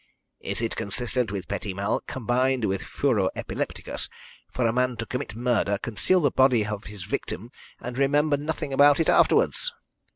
"Is it consistent with petit mal, combined with furor epilepticus, for a man to commit murder, conceal the body of his victim, and remember nothing about it afterwards?"